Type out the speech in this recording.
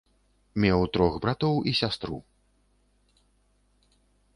Меў трох братоў і сястру.